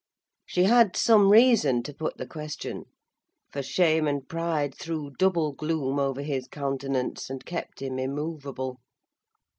She had some reason to put the question, for shame and pride threw double gloom over his countenance, and kept him immovable.